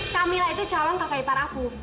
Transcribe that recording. kamila itu calon kakak ipar aku